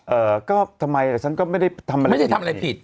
เอ่อก็ทำไมอะฉันก็ไม่ได้ทำอะไรผิด